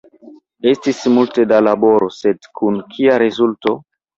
Estis multe da laboro, sed kun kia rezulto?